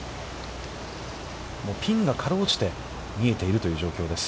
ピンが辛うじて見えているという状況です。